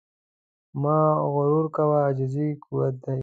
مه غرور کوه، عاجزي قوت دی.